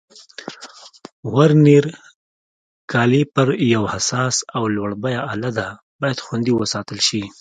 ورنیر کالیپر یو حساس او لوړه بیه آله ده، باید خوندي وساتل شي.